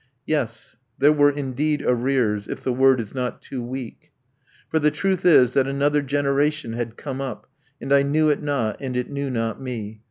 Yes, there were indeed arrears, if the word is not too weak. For the truth is, that another generation had come up, and I knew it not, and it knew not me.